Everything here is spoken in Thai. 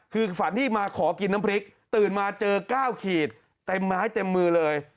คือฝันที่มาขอกินน้ำพริกตื่นมาเจอ๙ขีดเต็มไม้เต็มมือเลย